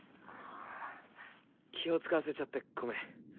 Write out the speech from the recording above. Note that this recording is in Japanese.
気を遣わせちゃってごめん。